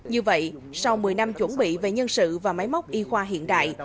như vậy sau một mươi năm chuẩn bị về nhân sự và máy móc y khoa hiện đại